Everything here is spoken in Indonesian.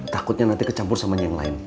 takutnya nanti kecampur sama yang lain